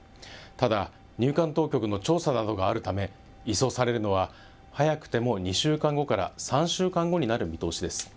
ただ、入管当局の調査などがあるため、移送されるのは、早くても２週間後から３週間後になる見通しです。